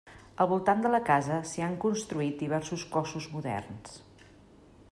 Al voltant de la casa s'hi han construït diversos cossos moderns.